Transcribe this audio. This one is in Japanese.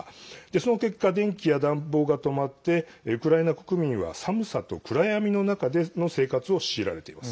その結果、電気や暖房が止まってウクライナ国民は寒さと暗闇の中での生活を強いられています。